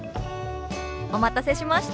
お待たせしました。